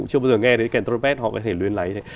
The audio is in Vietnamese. cũng chưa bao giờ nghe thấy kèn trumpet họ có thể luyến lấy